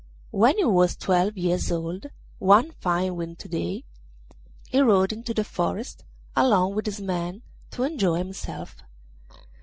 When he was twelve years old, one fine winter day he rode into the forest along with his men to enjoy himself.